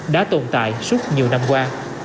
đã tồn tại suốt nhiều năm qua